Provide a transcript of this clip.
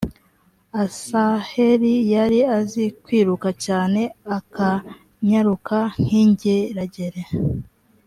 asaheli yari azi kwiruka cyane akanyaruka nk’ ingeragere .